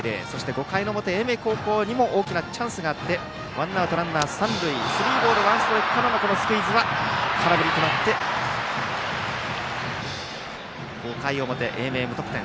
５回の表、英明高校にも大きなチャンスがあってワンアウトランナー、三塁スリーボールワンストライクからこのスクイズは空振りとなって５回表、英明、無得点。